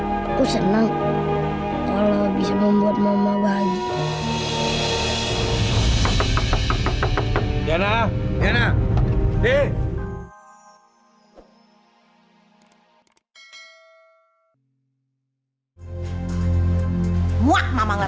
aku seneng kalau bisa membuat mama bahagia